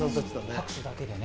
拍手だけでね。